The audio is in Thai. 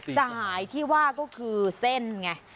สายที่ว่าก็คือเส้นไง